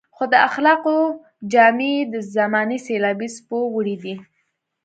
خو د اخلاقو جامې يې د زمانې سېلابي څپو وړي دي.